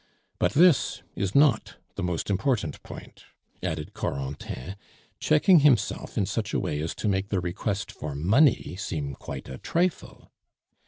But this is not the most important point," added Corentin, checking himself in such a way as to make the request for money seem quite a trifle.